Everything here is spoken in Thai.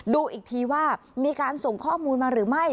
ดูอีกทีว่ามีการส่งข้อมูลมาหรือไม่